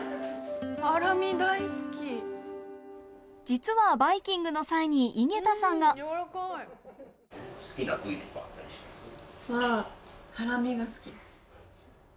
実はバイキングの際に井桁さんがハラミ好き。